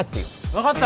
分かった